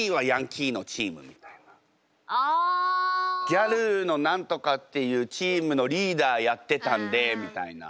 ギャルの何とかっていうチームのリーダーやってたんでみたいな。